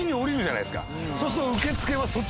そうすると。